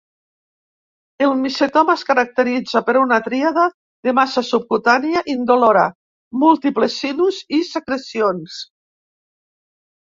El micetoma es caracteritza per una tríada de massa subcutània indolora, múltiples sinus i secrecions.